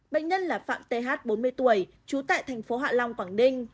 bệnh nhân là phạm th bốn mươi tuổi trú tại thành phố hạ long quảng ninh